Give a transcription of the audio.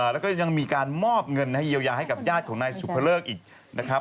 และยังมีการมอบเงินเยียวยาให้กับญาติของนายสุพระเลิก